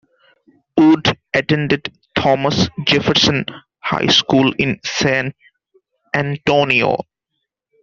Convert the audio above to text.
Wood attended Thomas Jefferson High School in San Antonio.